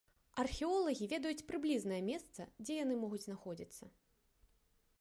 Археолагі ведаюць прыблізнае месца, дзе яны могуць знаходзіцца.